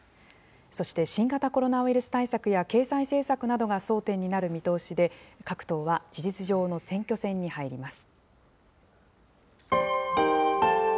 そして新型コロナウイルス対策や、経済対策などが争点になる見通しで、各党は事実上の選挙戦に入ります。